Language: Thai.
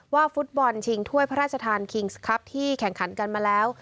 ว่าฟุตบอลชิงถ้วยพระราชทานคิงส์ครับที่แข่งขันกันมาแล้ว